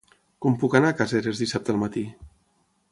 Com puc anar a Caseres dissabte al matí?